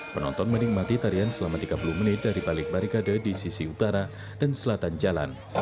penonton menikmati tarian selama tiga puluh menit dari balik barikade di sisi utara dan selatan jalan